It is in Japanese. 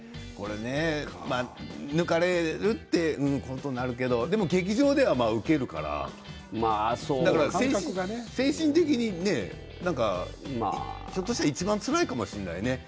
抜かれるということになるけどでも劇場ではウケるから精神的にねひょっとしたら、いちばんつらいかもしれないね。